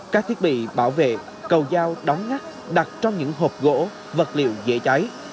các thiết bị bảo vệ cầu dao đóng ngắt đặt trong những hộp gỗ vật liệu dễ cháy